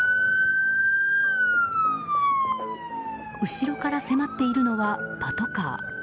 後ろから迫っているのはパトカー。